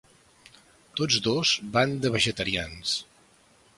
Tots dos van de vegetarians.